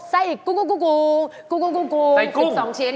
ไส้อีกกุ้ง๑๒ชิ้น